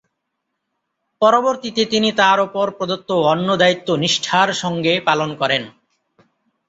পরবর্তীতে তিনি তার ওপর প্রদত্ত অন্য দায়িত্ব নিষ্ঠার সঙ্গে পালন করেন।